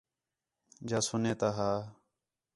جا سُنّے تا ہا